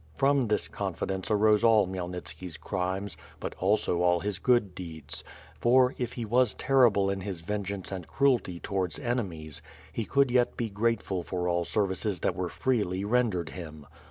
From this confidence arose all Khmyelnitski's crimes, but also all his good deeds; for, if he was terrible in his vengeance and cruelty towards enemies, he could yet be grateful for all services that were freely rendered him.